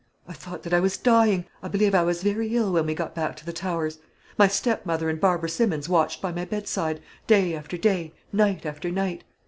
I thought that I was dying. I believe I was very ill when we got back to the Towers. My stepmother and Barbara Simmons watched by my bedside, day after day, night after night.